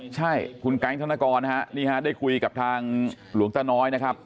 ใช่คุณกัยทรนกรได้คุยกับทางหลวงตาน้อยนะครับ